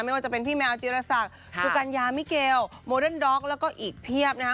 ไม่ว่าจะเป็นพี่แมวจีรศักดิ์สุกัญญามิเกลโมเดิร์นด็อกแล้วก็อีกเพียบนะคะ